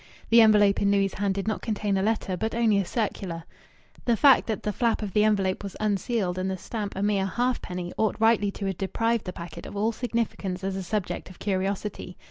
The envelope in Louis' hand did not contain a letter, but only a circular. The fact that the flap of the envelope was unsealed and the stamp a mere halfpenny ought rightly to have deprived the packet of all significance as a subject of curiosity.